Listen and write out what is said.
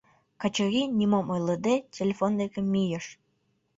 Качырий, нимом ойлыде, телефон деке мийыш.